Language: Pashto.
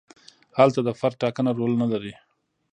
هلته د فرد ټاکنه رول نه لري.